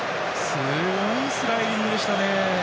すごいスライディングでしたね。